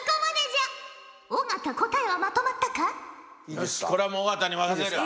よしこれはもう尾形に任せるよ。